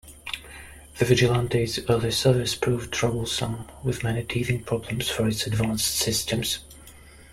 The Vigilante's early service proved troublesome, with many teething problems for its advanced systems.